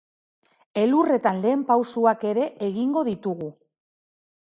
Elurretan lehen pausoak ere egingo ditugu.